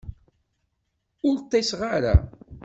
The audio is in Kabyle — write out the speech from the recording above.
Ur ṭṭiṣeɣ ara.